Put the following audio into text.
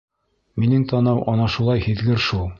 Минең танау ана шулай һиҙгер шул.